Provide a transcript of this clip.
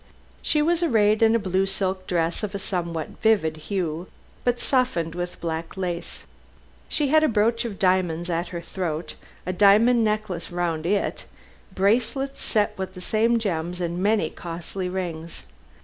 She was arrayed in a blue silk dress of a somewhat vivid hue, but softened with black lace. She had a brooch of diamonds at her throat, a diamond necklace round it, bracelets set with the same gems and many costly rings.